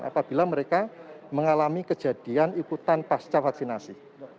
apabila mereka mengalami kejadian ikutan pasca vaksinasi